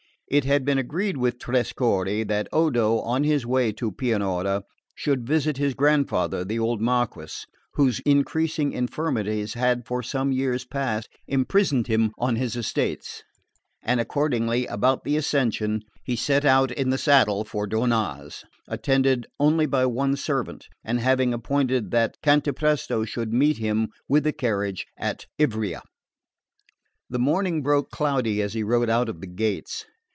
It had been agreed with Trescorre that Odo, on his way to Pianura, should visit his grandfather, the old Marquess, whose increasing infirmities had for some years past imprisoned him on his estates, and accordingly about the Ascension he set out in the saddle for Donnaz, attended only by one servant, and having appointed that Cantapresto should meet him with the carriage at Ivrea. The morning broke cloudy as he rode out of the gates.